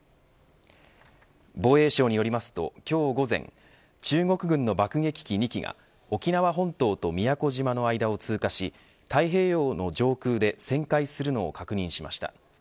防衛省によりますと今日午前中国軍の爆撃機２機が沖縄本島と宮古島の間を通過し太平洋の上空で旋回するのを確認しました。